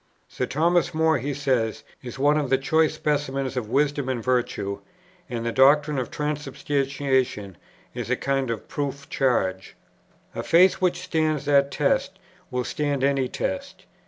"Sir Thomas More," he says, "is one of the choice specimens of wisdom and virtue; and the doctrine of transubstantiation is a kind of proof charge. A faith which stands that test, will stand any test."